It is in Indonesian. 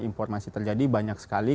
impor masih terjadi banyak sekali